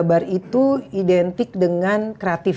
karena itu identik dengan kreatif